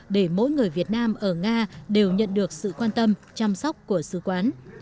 để mỗi người việt nam ở nga đều nhận được sự quan tâm chăm sóc của sứ quán